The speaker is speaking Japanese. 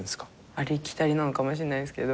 ありきたりなのかもしれないんすけど。